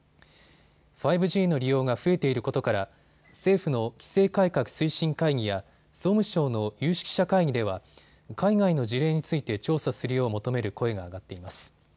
５Ｇの利用が増えていることから政府の規制改革推進会議や総務省の有識者会議では海外の事例について調査するよう求める声が上がっています。